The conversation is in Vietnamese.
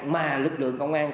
mà lực lượng công an